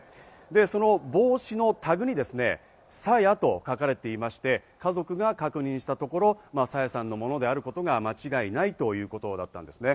で、その帽子のタグに「さや」と書かれていまして、家族が確認したところ、朝芽さんのものであることが間違いないということだったんですね。